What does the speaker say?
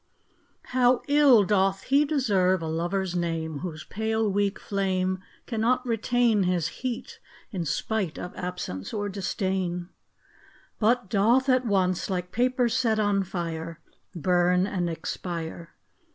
HOW ill doth lie deserve a Lover's name Whose pale weak flame Cannot retain His heat, in spite of absence or disdain ; But doth at once, like paper set on fire, Burn and expire